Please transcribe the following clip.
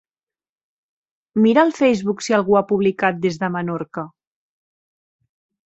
Mira al Facebook si algú ha publicat des de Menorca.